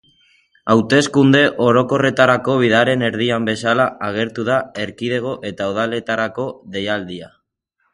Hauteskunde orokorretarako bidearen erdian bezala agertu da erkidego eta udaletarako deialdia.